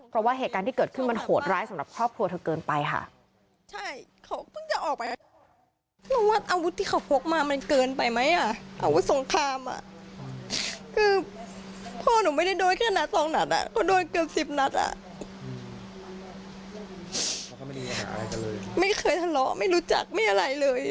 เพราะว่าเหตุการณ์ที่เกิดขึ้นมันโหดร้ายสำหรับครอบครัวเธอเกินไปค่ะ